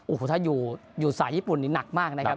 โอ้โหถ้าอยู่สายญี่ปุ่นนี่หนักมากนะครับ